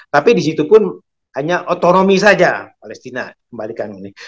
tapi di situ pun hanya otonomi saja palestina kembalikan ini